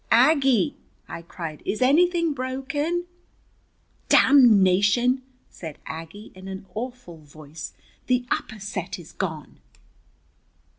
"Aggie!" I cried. "Is anything broken?" "Damnation!" said Aggie in an awful voice. "The upper set is gone!"